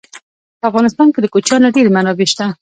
په افغانستان کې د کوچیانو ډېرې منابع شته.